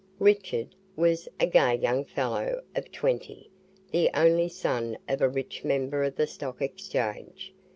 Richard was a gay young fellow of twenty, the only son of a rich member of the stock Exchange.